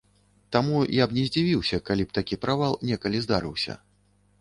Таму я б не здзівіўся, калі б такі правал некалі здарыўся.